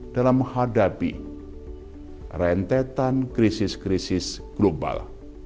dalam menghadapi rentetan krisis krisis global